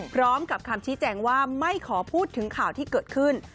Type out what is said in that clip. พร้อมกับคำชี้แจงว่าไม่ขอพูดถึงข่าวที่เกิดขึ้น